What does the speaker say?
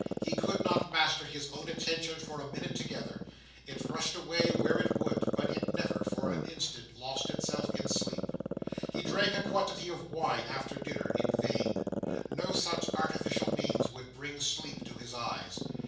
He could not master his own attention for a minute together. It rushed away where it would, but it never, for an instant, lost itself in sleep. He drank a quantity of wine after dinner, in vain. No such artificial means would bring sleep to his eyes.